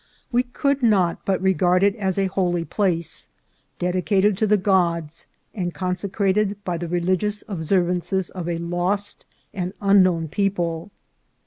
We could not but regard it as a holy place, dedicated to the gods, and consecrated by the religious observances of a lost and unknown people.